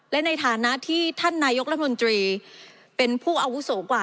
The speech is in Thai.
และในฐานะที่ท่านนายกรัฐมนตรีเป็นผู้อาวุโสกว่า